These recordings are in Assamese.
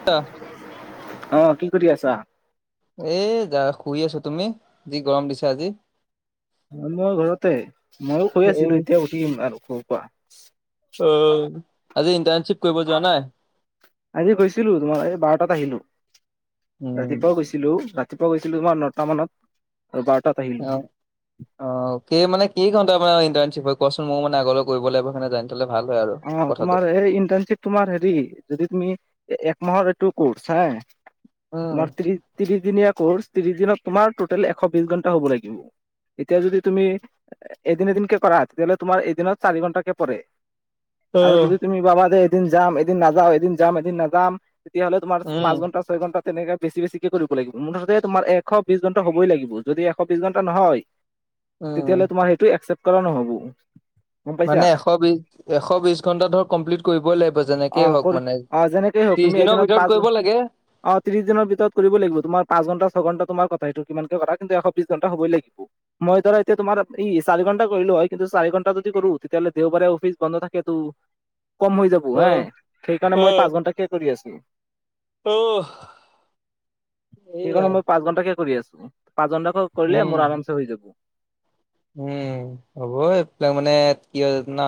[unintelligible] অহ, কি কৰি আছা? এ যা শুই আছোঁ। তুমি? যি গৰম দিছে আজি। অহ, মইয়ো ঘৰতে। মইয়ো শুই অ আছিলোঁ এতিয়া উঠিম আৰু শুৱখৰ পৰা। অহ, আজি ইণ্টাৰ্ণশ্বিপ কৰিব যোৱা নাই? আজি গৈছিলোঁ তোমাৰ, এই বাৰটাত আহিলোঁ। উম ৰাতিপুৱাও গৈছিলোঁ। ৰাতিপুৱা গৈছিলোঁ তোমাৰ নটা মানত আৰু বাৰটাত আহিলোঁ। অহ, কেই মানে, কেই ঘণ্টাৰ ইণ্টাৰ্ণশ্বিপ হয় কোৱাচোন মোক? মানে আগলৈ কৰিব লাগিব সেনে তেন। আগৰে ভাল হয় আৰু। অহ, কথাটো তোমাৰ এই ইণ্টাৰ্ণশ্বিপ তোমাৰ হেৰি, যদি তুমি এক মাহৰ এইটো কোৰ্চ হে, উম তোমাৰ ত্ৰিশ ত্ৰিশ দিনীয়া কৰ্চ, ত্ৰিশ দিনত তোমাৰ টোটেল এশ বিশ ঘণ্টা হ'ব লাগিব। এতিয়া যদি তুমি এদিন এদিনকে কৰা তেতিয়াহ'লে তোমাৰ এদিনত চাৰি ঘন্টাকে পৰে। অ আৰু যদি তুমি ভাবা যে এদিন যাম এদিন নাযাও, এদিন যাম এদিন নাযাম তেতিয়াহ'লে তোমাৰ পাঁচ উম ঘন্টা ছয় ঘণ্টা তেনেকে বেছি বেছিকে কৰিব লাগিব, মুঠতে তোমাৰ এশ বিছ ঘণ্টা হ'বই লাগিব, যদি এশ বিছ ঘণ্টা নহয় [unintelligible] তেতিয়াহ'লে তোমাৰ সেইটো একচেপ্ট কৰা নহ'ব। গম পাইছা মানে এশ বিছ এশ বিছ ঘন্টা ধৰ কমপ্লিট কৰিবই লাগিব অ যেনেকেই হওক কৰি মানে, অ যেনেকেই হওক ত্ৰিশ তুমি দিনৰ এদিনত ভিতৰত পাঁচ কৰিব লাগে? অ' ত্ৰিশ দিনৰ ভিতৰত কৰিব লাগিব, তোমাৰ পাঁচ ঘণ্টা ছঘণ্টা তোমাৰ কথা সেইটো কিমাকে কৰা কিন্তু এশ বিছ ঘণ্টা হ'বই লাগিব। মই ধৰা এতিয়া তোমাৰ ই, চাৰি ঘন্টা কৰিলোঁ হয় কিন্তু চাৰি ঘণ্টা যদি কৰোঁ তেতিয়াহ'লে দেওবাৰে অফিচ বন্ধ থাকে তেটো কম হৈ যাব অ হা, সেইকাৰণে অ মই পাঁচ ঘন্টাকে কৰি আছোঁ। অ সেইকাৰণে এইয়াই মই পাঁচ ঘন্টাকে কৰি আছোঁ, পাঁচ ঘন্টা কৰিলে মোৰ উম আৰামচে হৈ যাব। উম, হ'ব এইবিলাক মানে কি হয় জান?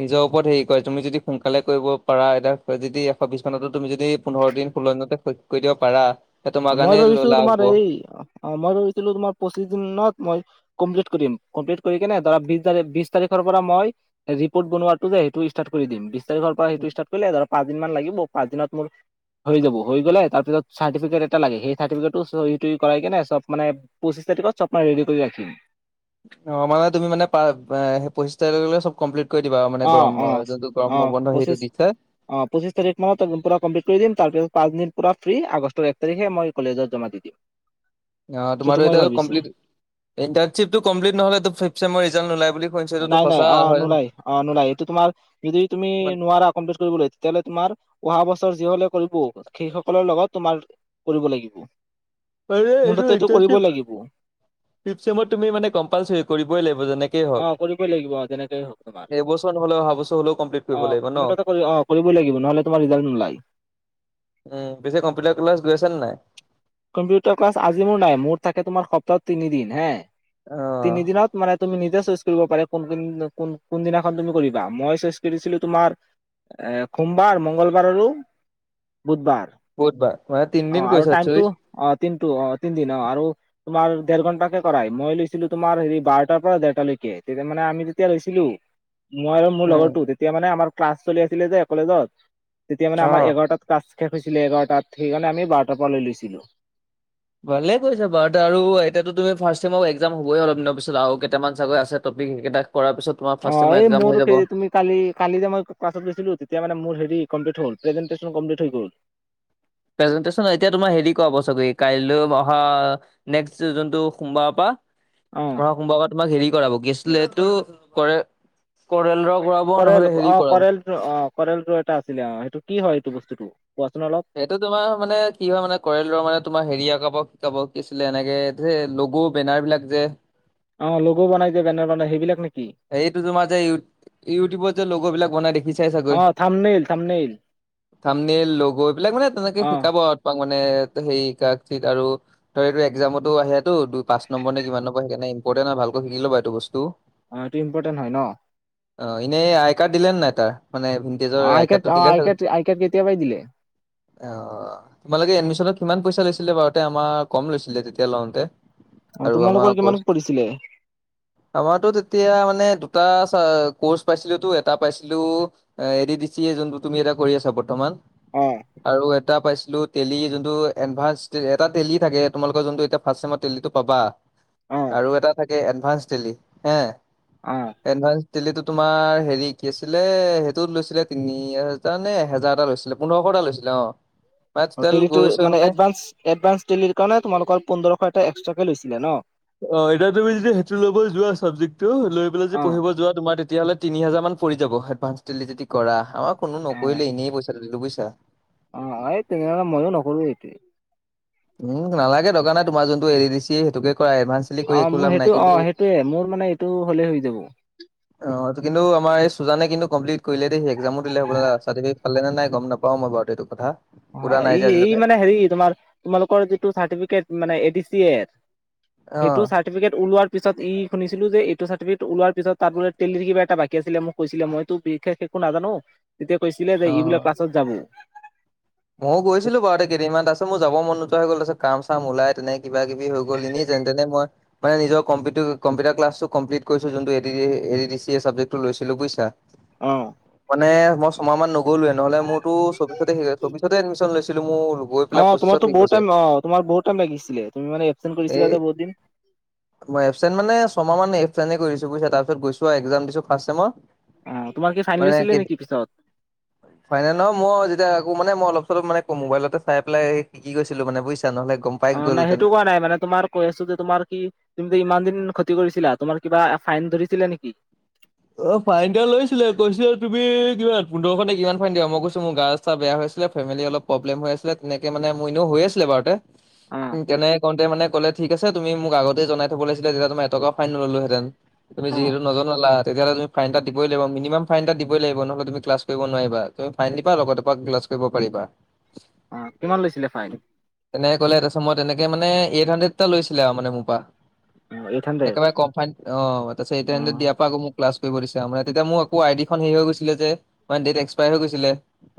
নিজৰ ওপৰত হেৰি কৰে, তুমি যদি সোনকালে কৰিব পাৰা এ, যদি এশ বিশ ঘণ্টাটো তুমি যদি পোন্ধৰ দিন ষোল্ল দিনতে কৰি দিব পাৰা তে তোমাৰ মই কাৰণে ল ভাবিছোঁ লাভ তোমাৰ হ'ব এই অ' মই ভাবিছিলোঁ তোমাৰ পঁচিছ দিনত মই কমপ্লিট কৰিম, কমপ্লিট কৰি কেনে ধৰা বিশ তা বিশ তাৰিখৰপৰা মই ৰিপৰ্ট বনোৱাটো যে সেইটো ষ্টাৰ্ট কৰি দিম, বিশ তাৰিখৰপৰা সেইটো ষ্টাৰ্ট কৰিলে ধৰা পাঁচদিন মান লাগিব, পাঁচদিনত মোৰ হৈ যাব, হৈ গ'লে তাৰপিছত চাৰ্টিফি লাগে সেই চাৰ্টিফিকেটটো কৰাই কিনে চব মানে পঁচিছ তাৰিখত চব মানে ৰেডি কৰি ৰাখিম। অ' মানে তুমি মানে পা সেই পঁচিছ তাৰিখেলে চব কমপ্লিট কৰি দিবা মানে, অ গৰম অ যোনটো অ গৰম বন্ধ পঁচিছ সেইটো দিছে। অ' পঁচিছ তাৰিখ মানত পুৰা কমপ্লিট কৰি দিম, তাৰপিছত পাঁচদিন পুৰা ফ্ৰী, আগষ্টৰ এক তাৰিখে মই কলেজত জমা দিম। [unintelligible] অ' সেইটো তোমাৰতো মই এতিয়া ভাবিছো কমপ্লিট, ইণ্টাৰ্শ্বিটো কমপ্লিট নহ'লে এইটো ফিফ ছেমৰ ৰিজাল্ট নোলায় বুলি শুনিছো এইটোতো নাই নাই, সঁচা অ' হয় নোলাই অ' নোলাই, এইটো তোমাৰ যদি তুমি নোৱাৰা কমপ্লিট কৰিবলৈ তেতিয়াহ'লে তোমাৰ অহা বছৰ যিসকলে কৰিব সেইসকলৰ লগত তোমাৰ কৰিব লাগিব। মানে মোৰ এইটো তাতে কৰিবই ইণ্টাৰ্ণচিপ লাগিব ফিফ ছেমত তুমি মানে কম্পালচৰি কৰিবই লাগিব যেনে অ' কৰিবই লাগিব যেনেকেই হওক তোমাৰ। এইবছৰ নহ'লে অহা বছৰ হলেও কমপ্লিট কৰিব অ' লাগিব ন মুঠতে অ' কৰিবই লাগিব নহ'লে তোমাৰ ৰিজাল্ট নোলায়। উম, পিছে কম্পিউটাৰ ক্লাছ গৈ আছা নে নাই? কম্পিউটাৰ ক্লাছ আজি মোৰ নাই, মোৰ থাকে তোমাৰ সপ্তাহত তিনিদিন হে, অ', তিনি দিনত মানে তুমি নিজে চইচ কৰিব পাৰে কোন কোন কোনদিনাখন তুমি কৰিবা, মই চইচ কৰিছিলো তোমাৰ এ, সোমবাৰ, মংগলবাৰ আৰু বুধবাৰ। বুধবাৰ মইে অ তিনদিন কৈ আৰু কৰিছা টাইমটো একচলী? অ' তিনটো অ' তিনিদিন আৰু তোমাৰ দেৰ ঘন্টকে কৰাই, মই লৈছিলো তোমাৰ হেৰি বাৰটাৰপৰা দেৰটালৈকে তেতিয়া মানে আমি যেতিয়া লৈছিলো মই আৰু মোৰ উম, লগৰটো, তেতিয়া মানে আমাৰ ক্লাছ চলি আছিলে যে কলেজত, তেতিয়া মানে আমাৰ অ', এঘাৰটাত ক্লাছ শেষ হৈছিলে এঘাৰটাত সেইকাৰণে আমি বাৰটাৰপৰা লৈ লৈছিলোঁ। ভালেই কৰিছা বাৰুতে আৰু এতিয়া তুমি ফাৰ্চ চেমৰ এক্সাম হ'বই অলপ দিনৰ পিছত আৰু কেইটামান চাগৈ আছে। টপিক সেইকেইটা কৰাৰ পিছত তোমাৰ ফাৰ্ষ্ট চেমৰ এ, এক্সাম হৈ মোৰ যাব। কেই তুমি কালি কালি যে মই ক্লছত গৈছিলো, তেতিয়া মানে মোৰ হেৰি কমপ্লিত হ'ল, প্ৰেন্টেচন কমপ্লিত হৈ গ'ল। প্ৰেজেণ্টেছন, এতিয়া তোমাৰ হেৰি কৰাব ছাগে কাইলৈ অহা নেক্স জোনটো সোমবাৰৰপা অ অহা সোমবাৰৰপা তোমাক হেৰি কৰাব কি আছিলে সেইটো, কৰে কৰেল ৰ' কৰা কৰেল অ' কৰেল ৰ' কৰেল ৰ' এটা আছিলে অ' সেইটো কি হয় এইটো বস্তুটো কোৱাচোন অলপ। সেইটো তোমাৰ মানে কি হয়, মানে কৰেলৰ, মানে তোমাৰ, হেৰি আকৌ কাবাক-কাবাক দিছিলে, এনেকে যে, লগ-বেনাৰবিলাক যে অ', লগ' বনাই যে, বেনাৰ বনাই, সেইবিলাক নেকি? সেইটো তোমাৰ যে, ইউ-ইউটিউবত যে, লগ' বিলাক বনাই দেখিছাই চাগৈ। কি, থাম্বনেইল? থাম্বনেইল, লগ', এইবিলাক মানে তেনেকে অ', শিকাব আৰু তোমাক মানে, সেই [unintelligible] আৰু ত', এইটো এক্সামতো আহে টো, দুই, পাঁচ নম্বৰ নে কিমান নম্বৰ। সেইকাৰণে ইম্পৰ্টেণ্ট হয়, ভালকৈ শিকি ল'বা এইটো বস্তু। অ', এইটো ইম্পৰ্টেণ্ট হয় ন'? অ', এনেই আই-কাৰ্ড দিলে নে নাই তাৰ? মানে ভিনটেজৰ অ', আই কাৰ্ডটো আই-কাৰ্ড, অ', দিলে আই-কাৰ্ড, আই-কাৰ্ড কেতিয়াবাই দিলে। এ, অ', অ'। তোমালোকে এডমিশনত কিমান পইচা লৈছিলে? আগতে আমাৰ কম লৈছিলে, তেতিয়া লওঁতে অ', আৰু আমাৰ তোমালোকৰ কিমান কোৰ্ছ, পৰিছিলে? আমাৰতো তে তিয়া মানে, দুটা কোৰ্ছ পাইছিলোঁতো, এটা পাইছিলোঁ এ', এডিডিচিএ যোনটো তুমি এতিয়া কৰি আছা, বৰ্তমান। অ'। আৰু এটা পাইছিলোঁ, টেলি যোনটো এডভান্সড, এটা টেলি থাকে, তোমালোকৰ যোনটো এতিয়া ফাৰ্ষ্ট ছেমত টেলিটো পাবা অ', আৰু এটা থাকে এডভান্সড টেলি, হে অ'। এডভান্সড টেলিটো তোমাৰ, হেৰি, কি আছিলে, সেই তোৰ লৈছিলে তিনি হাজাৰ নে এহেজাৰ এটা লৈছিলে, পোন্ধৰশটা লৈছিলে, অ'। [unintelligible] গৈছ নে? এডভান্সড টেলিৰ কাৰণে তোমালোকৰ পোন্ধৰশ এটা এক্সট্ৰাকৈ লৈছিলে ন? অ', এতিয়া তুমি যদি সেইটো ল'ব যোৱা, ছাবজেক্টো লৈ পেলাই যদি অ', পঢ়িব যোৱা, তোমাৰ তে তেতিয়াহ'লে তিনি হাজাৰমান পৰি যাব। এডভান্সড টেলি যদি কৰা। আমাৰ কোনো নকৰিলে, এনেই পইচাটো দিলোঁ, বুজিছা? [inaudible] অ', অ', এ, তেনেহলে মইও নকৰোঁ এইটোৱেই উম, নালাগে, দৰকাৰ নাই। তোমাৰ যোনটো এডিডিচিএ, সেইটোকে কৰা, এডভান্সড অ', মোৰ সেইটো, অ', সেইটোৱেই। মোৰ, মানে এইটো হলেই হৈ যাব। অ', কিন্তু আমাৰ, এই সুজানে কিন্তু কমপ্লিট কৰিলে দেই। এক্সামো দিলে হ'বলা, চাৰ্টিফিকেট পালে নে নাই গম নাপাওঁ। পাওঁ মই বাৰু এইটো কথা সোধা অ', নাই ই, যে ই আজিলৈকে, মানে হেৰি, তোমালোকৰ যিটো চাৰ্টিফিকেট, মানে এডিচিএৰ এইটো অ', চাৰ্ট চাৰ্টিফিকেট ওলোৱাৰ পিছত, ই, শুনিছিলোঁ যে এইটো চাৰ্টিফিকেট ওলোৱাৰ পিছত তাত মানে টেলিৰ কিবা এটা বাকী আছিলে মোক কৈছিলে, মইতো বিশেষ একো নাজানো। তেতিয়া কৈছিলে যে ই বোলে অ'। ক্লাছত যাব ময়ো গৈছিলোঁ বাৰু আগতে কেইদিনমান। তাৰপিছত মোৰ যাব মন নোযোৱা হৈ গ'ল, তাৰপিছত কাম-চাম ওলাই তেনেকৈ কিবা-কিবি হৈ গ'ল। এনেই যেন-তেনে মই মানে নিজৰ কম্পিউটো, কম্পিউটাৰ ক্লাছটো কমপ্লিট কৰিছোঁ, যোনটো এডিচিএ ছাবজেক্টটো লৈছিলোঁ, বুজিছা? অ মানে মই ছমাহমান নগ'লোঁৱে, নহ'লে মোৰতো চৌবিছতে শেষ পিছত লৈছিলোঁ মোৰ গৈ পেলাই অ', পঁচিছত তোমাৰতো শেষ বহুত হৈছে। টাইম, অ', তোমাৰ বহুত টাইম লাগিছিলে। তুমি মানে এবচেণ্ট এই কৰিছিলা যে বহুত দিন। মই এবচেণ্ট মানে, ছমাহমান এবচেণ্টেই কৰিছোঁ, বুজিছা? তাৰ পিছত গৈছোঁ আৰু এক্সাম দিছোঁ ফাৰ্ষ্ট ছেমৰ অ', তোমাৰ কি ফাইনেল হৈছিলে নেকি পিছত? হয়। ফাইনেল নহয়, মই যেতিয়া, মানে মই অলপ-চলপ মানে মোবাইলতে চাই পেলাই শিকি গৈছিলোঁ, মানে বুজিছা? নহ'লে গম পাই অ', নাই, গ'লহেতেন। সেইটো কোৱা নাই। মানে তোমাৰ কৈ আছোঁ যে, তোমাৰ কি? তুমি যে ইমান দিন ক্ষতি কৰিছিলা, তোমাৰ কিবা ফাইন ধৰিছিলে নেকি? অ', ফাইন দিয়া লৈছিলে। কৈছিলে তুমি কিমান, পোন্ধৰশ নে কিমান ফাইন দিবা। মই কৈছোঁ, মোৰ গা-চা চা বেয়া হৈছিলে, ফেমিলি অলপ প্ৰব্লেম হৈ আছিলে। তেনেকে মানে, মোৰ এনেও হৈ আছিলে বাৰুতে অ উম, তেনেকে কওঁতে মানে ক'লে ঠিক আছে তুমি মোক আগতেই জনাই থ'ব লিছিলা যেতিয়া, তোমাৰ এটকা ফাইন নললোহেঁতেন তুমি অ যিহেতু, নজনাালা। তেতিয়াহ'লে তুমি ফাইন এটা দিবই লাগিব মিনিমাম ফাইনএটা দিবই লাগিব ন'হলে তুমি ক্লাছ কৰিব নোৱাৰিবা, তুম ফাইন দিবা লগৰটো পৰা ক্লাছ কৰিব পাৰিবা। অ', কিমান লৈছিলে ফাইন? তেনেকে ক'লে তাৰপছত মই তেনেক মানে এই হাণ্ড্ৰেড এটা লৈছিলে আৰু মানে মোৰ পৰা। অ এইট হাণ্ড্ৰেড একেবাৰে কম ফাইন অ', তাৰপিছত এইথ অ হান্দ্ৰেদ দিয়াৰ পৰা আকৌ মোক ক্লাছ কৰিব দিছ আৰু মানে, তেতিয়া মোৰ আকৌ আই ডিখন হেৰি হৈ গৈছিলে যে, মানে ডেট এক্সপায়াৰ হৈ গৈছিলে।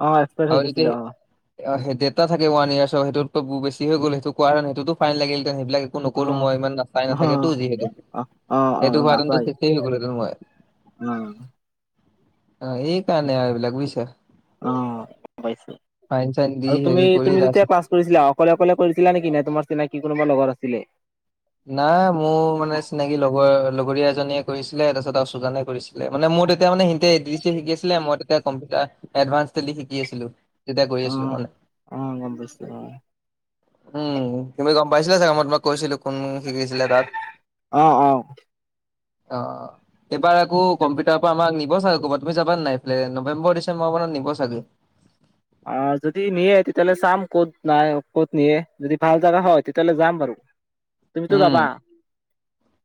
অ', এক্সপাইৰ হৈ গৈছিলে অ'। অ', হেই ডেটা থাকে ওৱান ইয়াৰছৰ হেইটোত বেছি হৈ গ'ল সেইটো, কোৱাণে সেইটোতো ফাই লাগিলহেঁতেন সেইলাক অ নকলো মই ইমান নাচাই নাথাকেতো অ যিহেতু, অ অ সেইটো হোৱাাহেতেনটো নাচাই শেষেই হৈ গলোহঁতেন মই। উম। অ', এই কাৰণে, আৰু এইবিলাক বুজিছা। অ', গ'ম পাইছোঁ ফাইন চাইন দি আৰু হেৰি তুমি কৰি তুমি যেতিয়া তাৰপিছত ক্লাছ কৰিছিলা অকলে অকলে কৰিছিলা নেকি, নাই তোমাৰ চিনাকি কোনোবা লগৰ আছিলে? নাই মোৰ মানে চিনাকি লগৰ লগৰীয়া এজনীয়ে কৰিছিলে, তাৰপিছত আৰু সুজানে কৰিছিলে মানে মোৰ তেতিয়া মানে সিঁহতে [unintelligible] শিকি আছিলে মই তেতিয়া কম্পিউাৰ এডভানস টেলি শিকি আছিলোঁ। তেতিয়া কৰি আছিলোঁ অ'। মানে। অ' গম পাইছো উম, তুমি গ'ম পাইছিলা চাগে মই তোমাক কৈছিলোঁ কোন শিকিছিলে। তাত অ', অ'। অ', অ'। এইবাৰ আকৌ কম্পিউটাৰৰ পৰা আমক নি'ব চাগে ক'বাত, তুমি যাবা নে নাই এইফালে? নৱেম্বৰ ডিচেম্বৰ মানত নিব চাগে। অ', যদি নিয়ে তেতিয়াহলে চাম ক'ত নাই ক'ত নিয়ে যদি ভাল জাগা হয়, তেতিয়াহ'লে যাম বাৰু। [inaudible] তুমিতো উম, যাবা?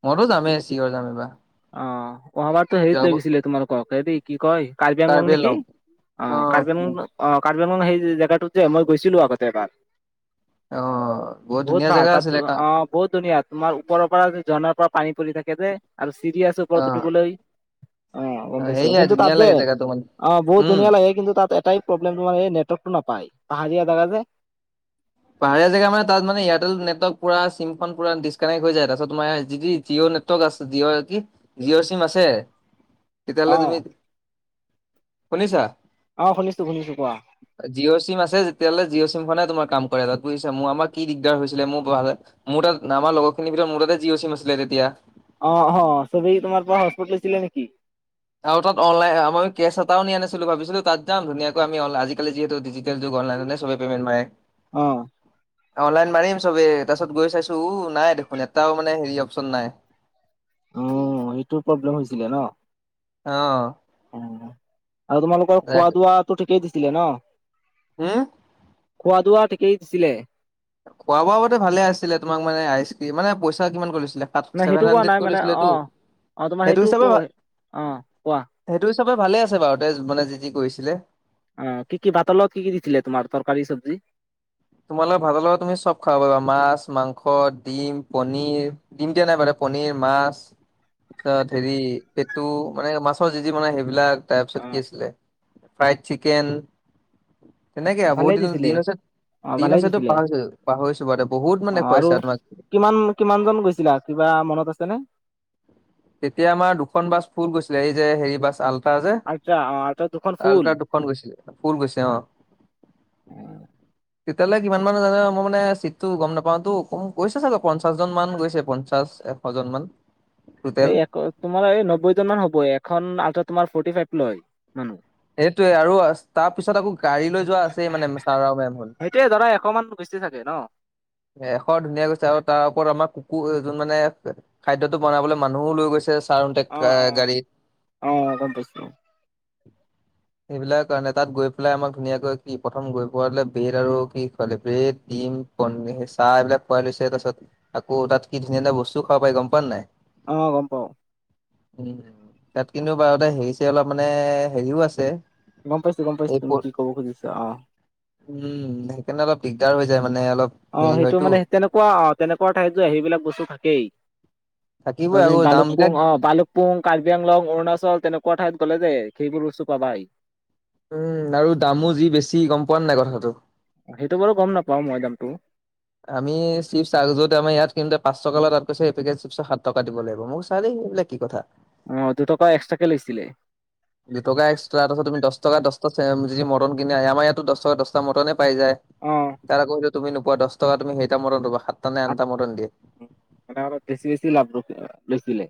মইতো যামেই চিয়ৰ যাম এইবাৰ। অ', অহাবাৰতো যোৱা হেৰিত লৈ ব- গৈছিলে তোমালোকক, হেৰী কি কয় কাৰ্বি আংলং নে কি? অ', কাৰ্বিআংলং অ', কাৰ্বিআংলং সেই জেগাটো যে মই গৈছিলোঁ আগতে এবাৰ। অ বহুত বিহুত ধুনীয়া [unintelligible] জেগা তাত টো আছিলে কা অ'। বহুত ধুনীয়া তোমাৰ ওপৰৰ পৰা ঝৰ্ণাৰ পৰা পানী পৰি থাকে যে, আৰু চিৰি আছে অ ওপৰত উঠিবলৈ। অ', গ'ম পাইছোঁ সেয়াই কিন্তু তাত ধুনীয়া যে, লাগে জেগাটো মানে অ', বহুত উম। ধুনীয়া লাগে কিন্তু তাত এটা প্ৰব্লেম তোমাৰ এই নেটৰ্কটো নাপায়, পাহাৰীয়া জেগা যে। পাহাৰীয়া জেগাা মানে তাত মানে ইয়াৰটেল নেটৱৰ্ক পুৰা চিমখন পুৰা ডিছকানেক্ট হৈ যায়, তাৰপিছত তোমাৰ যি টি জিঅ' নেটৱৰ্ক [unintelligible] জিঅ'ৰ কি জিঅ'ৰ চিম আছে। অ তেতিয়াহলে তুমি শুনিছা? অ', শুনিছো শুনিছো কোৱা। জিঅ' চিম আছে যেতিয়াহ'লে জিঅ' চিম খনে তোমাৰ কাম কৰে তাত বুজিছা মোৰ আমাৰ কি দিগদাৰ হৈছিলে মোৰ পঢালে মোৰ তাত আমাৰ লগৰখিনিৰ ভিতৰত মোৰ তাতে জিঅ' চিম আছিলে তেতিয়া। অ', অ', চবেই তোমাৰ পৰা হটস্পট লৈছিলে নেকি? আৰু তাত অনলাইন আম কেছ এটাও নিয়া নাছিলো ভাবিছিলোঁ তাত যাম ধুনাকৈ আমি আজিকালি যিহেতু, ডিজি তেল যুগ অনলাইনতে চৱে পেমেণ্ট মাৰে। অ অনলাইন মাৰেই চবেই তাৰপিছত গৈ চাইছোঁ উ, নাই দেখোন এটাও মানে হেৰি অপশচন নাই। উম, এইটো প্ৰব্লেম হৈছিলে ন'? অ'। অ আৰু তোমালোকৰ খোৱা দোৱাটো ঠিকেই দিছিলে ন? হম? খোৱা ধোৱা ঠিকেই দিছিলে? খোৱা বোৱা মতে ভালে আছিলে তোমাক মানে আইচক্ৰীম মানে পইচা কিমান কৰি লৈছিলে। তাত নাই সেইটো ছেভেন কোৱা হাড্ৰেড নাই কৈ মানে অ লৈছিলেটো অ তোমাৰ সেইটো হিচাপে ভাল অ কোৱা সেইটো হিচাপে ভালে আছে বাৰু তে মানে যি যি কৰিছিলে। অ', কি কি ভাতৰ লগত কি কি দিছিলে তোমাৰ তৰকাৰী চব্জি? তোমালোক ভাতৰ লগত তুমি চ'ব খাব পাৰিবা মাছ, মাংস, ডিম, পণিৰ। দিম দিয়া নাই মানে পনীৰ, মাছ। তাৰপিছত হেৰি পেটো মানে মাছৰ যি যি বনাই সেইবিলাক। তাৰপিছত অ কি আছিলে ফ্ৰাইড চিকেন তেনেকৈ আৰু ভালেই বহুত দিনৰ দিছিলে দিন হৈছে। অ দিন ভালেই হৈছেতো দিছিলে পাহৰিছোঁ পাহৰিছোঁ বাৰু বহুত অ মানে আৰু খুৱাইছে তোমাক। কিমান কিমান জন গৈছিলা, কিবা মনত আছেনে? তেতিয়া আমাৰ দুখন বাছ ফুল গৈছিলে, এই যে হেৰি বাছ আল আলট্ৰা অহ' আলট্ৰা দুখন ফুল। দুখন গৈছিলে ফুল গৈছে অ'। তেতিয়াহ'লে কিমান মান জানে মই মানে চিটটো গ'ম নাপাওঁতো গৈছে চাগে পঞ্চাশ জন মান গৈছে পঞ্চাশ। অজনমান। এই তোমাৰ এই নব্বৈ জন মান হ'ব এখন আলট্ৰা তোমাৰ ফ্ৰৰ্টি ফাইভ লয় মানুহ। এইটোৱে আৰু তাৰ পিছত আকৌ গাড়ী লৈ যোৱা আছেই মানে ছাৰ আৰু মে'ম হত। সেইটোৱে ধৰা এশ মান গৈছে চাগে ন? এশ ধুনীয়া গৈছে আৰু তাৰ ওপৰত আমাৰ কুকুৰ যোন মানে। খাদ্যটো বনাবলৈ মানুহো লৈ গৈছে ছাৰে অ অ গাড়ীত। [inaudible] অ গম পাইছো সেইবিলাক কাৰণে তাত গৈ পেলাই আমাক ধুনীয়াকৈ কি প্ৰথম গৈ পোৱালে ব্ৰেড আৰু কি খোৱালে ব্ৰেড। দিম, পন চাহ এইবিলাক খুৱাই লৈছে তাৰ পাছত আকৌ তাত কি ধুনীয়া ধুনীয়া বস্তুও খাব পাই গ'ম পোৱা নাই। অ' গ'ম পাওঁ। উম, তাত কিন্তু বাৰুতে হেৰিছে অলপ মানে হেৰিও আছে। গ'ম পাইছোঁ, গ'ম পাইছো, এই তুমি কি ক'ব খুজিছা অ'। উম, সেইকাৰণে অলপ দিগদাৰ হৈ যায় মানে অলপ। অ' হেৰি সেইটো হয়তো মানে তেনেকুৱা অ' তেনেকুৱা ঠাইত যে সেইবিলাক বস্তু থাকেই। থাকিবই তুমি আকৌ দাম বালুক পুং বিলাক অ' বালুক পুং, কাৰ্বি আংলং, অৰুণাচল তেনেকুৱা ঠাইত গ'লে দে সেইবোৰ বস্তু পাবাই। উম, আৰু দামো যি বেছি গ'ম পোৱা নে নাই কথাটো। সেইটো বাৰু গ'ম নাপাওঁ, মই দামতো। আমি চিপছ আৰু য'ত আমাৰ ইয়াত কিনু পাঁচ টকা লয় তাত কৈছে এই পেকেট চিপছ সাত টকা দিব লাগিব, মই কৈছো আৰে কি কথা? অ' দুটকা এক্সট্ৰাকে লৈছিলে। দুটকা এক্সট্ৰ তাৰপিছত তুমি দশ টকা দশটা যদি মৰ্টন কিনা আমাৰ ইয়াতটো দহ টকা দহ। মটনে পাই যায়, অ', তাত আকৌ তুমি নোপোৱা দহ টকা তুমি সেইটা মৰ্টন পাবা সাত। অলপ বেছি বেছি লাভ ৰ লৈছিলে।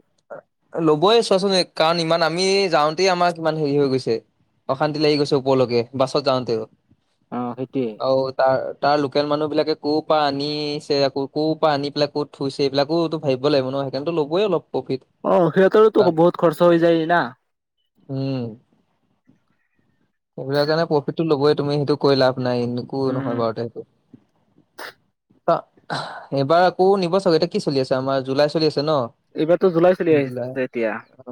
ল'বই চোৱাচোন কাৰণ ইমান আমি যাওঁতে। তাতে আমাৰ কিমান হেৰি হৈ গৈছে অশান্তি লাগি গৈছে, ওপৰলৈকে বাছত যাওঁ তেওঁ। অ' সেইটোৱে। অ' তাৰ তাৰ লোকেল মানুহ বিলাকে ক'ৰ পৰা আনিছে ক'ৰ পৰা আনি পেলাই ক'ত থইছে এইবিলাকোতো ভাবিব লাগিব ন সেইকাৰণেটো ল'বই অলপ প্ৰফিট। অ' সিহঁতৰো কাৰণ বহত খৰচা হৈ যায় না। উম, সেইবিলাক কাৰণে প্ৰফিটটো ল'বই, তুমি সেইটো কৈয় লাভ নাই এনেকো উম, নহয় বাৰু তে হেইটো। এইবাৰ আকৌ নিব চাগে, এতিয়া কি চলি আছে আমাৰ জুলাই চলি আছে ন? এইবাৰতো জুলাই চলি জুলাই। আহিছে এতিয়া, অ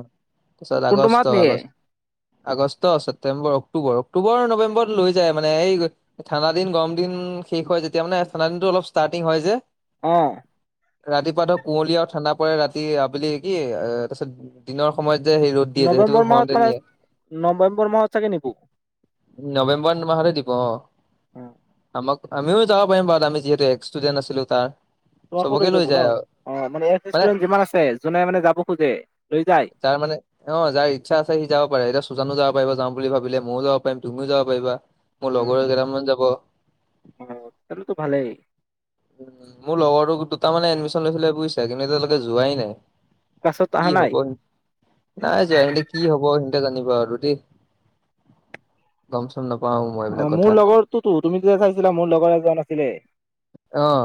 তাৰপিছত কোনটো আগষ্ট মাহত নিয়ে। August August, September, October, October নৱেম্বৰত লৈ যায় মানে এই ঠাণ্ডা দিন গৰম দিন শেষ হয় যেতিয়া মানে ঠাণ্ডা দিনত অলপ ষ্টাৰ্টিং হয় যে। অহ' ৰাতিপুৱা ধৰক কুঁৱলী আৰু ঠাণ্ডা পৰে ৰাতি আবেলি কি এ তাৰপিছত দিনৰ সময়ত যে সেই ৰ'দ দিয়ে যে। সেইটো নৱেম্বৰ হওঁতে মাহত মানে, নিয়ে নৱেম্বৰ মাহত চাগে নিবো। নৱেম্বৰ মাহতে দিব অহ। অ আমাক আমিও যাব পাৰিম বাৰু আমি যিহেতু এস্কষ্টুডেণ্ট আছিলোঁ তাৰ। তোমাকো লৈ চবকে যাব ন'। যায় আৰু অহ, মানে এস্কষ্টুডেণ্ট যিমান আছে যোনে মানে যাব খোজে লৈ যায়। তাৰমানে অহ, যায়। ইচ্ছা আছে ‌সি যাব পাৰে, এতিয়া সুজানো যাব পাৰিব যাম বুলি ভাবিলে, মইয়ো যাব পাৰিম, তুমিও যাব পাৰিবা। মোৰ লগৰ কেইটামান যাব। সেইটোতো ভালেই। মোৰ লগতো দুটা মানে এডমিচন লৈছিলে বুজিছা কিন্তু এতিয়ালৈকে যোৱাই নাই। ক্লাছত কি আহা নাই? হ'ব, নাই যোৱা। সিহঁতে কি হ'ব সিহন্তে জানিবা আৰু দেই। গমচম নাপাওঁ। অহ, মোৰ লগৰটোতো তুমি যে চাইছিলা, মোৰ লগৰ এজন আছিলে। অহ।